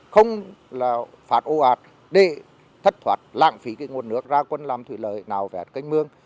không phát ô ạt để thất thoát lạng phí nguồn nước ra quân làm thủy lời nào vẹt cánh mương